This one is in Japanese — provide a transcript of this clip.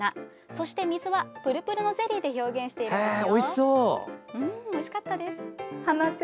そして、水はプルプルのゼリーで表現しているんですよ。